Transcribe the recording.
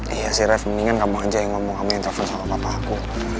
iya sih rev mendingan kamu aja yang ngomong kamu yang telepon sama papaku